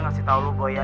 kasih tahu lo boy ya